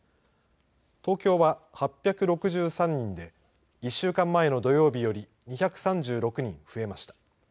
東京は８６３人で１週間前の土曜日より２３６人増えました。